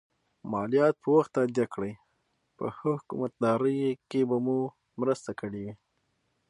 مالیات په وخت تادیه کړئ په ښه حکومتدارۍ کې به مو مرسته کړي وي.